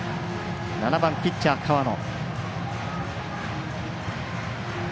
７番ピッチャー、河野。